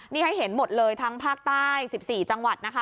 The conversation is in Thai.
นี่ให้เห็นหมดเลยทั้งภาคใต้๑๔จังหวัดนะคะ